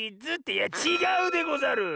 いやちがうでござる！